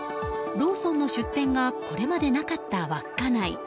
ローソンの出店がこれまでなかった稚内。